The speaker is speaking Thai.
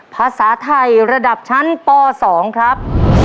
ภาษาไทยระดับชั้นป๒ครับ